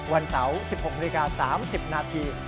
วันเสาร์๑๖นาฬิกา๓๐นาที